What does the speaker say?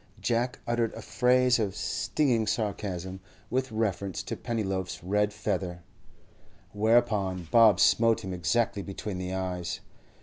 Jack uttered a phrase of stinging sarcasm with reference to Pennyloaf's red feather; whereupon Bob smote him exactly between the eyes.